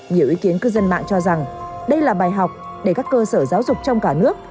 nhiều ý kiến cư dân mạng cho rằng đây là bài học để các cơ sở giáo dục trong cả nước